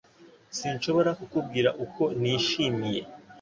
Sinshobora kukubwira uko nishimiye